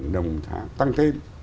ba mươi đồng một tháng tăng thêm